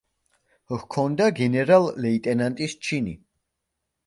ჰქონდა გენერალ-ლეიტენანტის ჩინი.